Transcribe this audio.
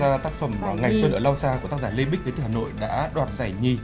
và tác phẩm ngày xuân ở đao xa của tác giả lê bích đến từ hà nội đã đoạt giải nhì